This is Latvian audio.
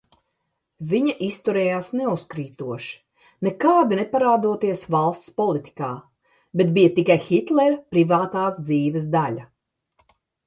Viņa izturējās neuzkrītoši, nekādi neparādoties valsts politikā, bet bija tikai Hitlera privātās dzīves daļa.